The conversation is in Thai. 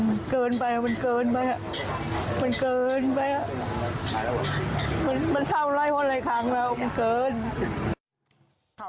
มันเกินไปมันเกินไป